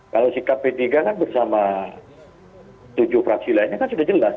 kalau sikap p tiga kan bersama tujuh fraksi lainnya kan sudah jelas